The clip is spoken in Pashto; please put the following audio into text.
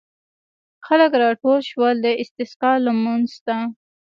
خلک راټول شول د استسقا لمانځه ته.